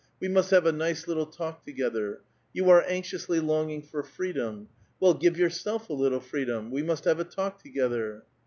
We must have a nice little talk together. You are anxiously longing for freedom. Well, give yourself a little freedom ; we must have a talk together."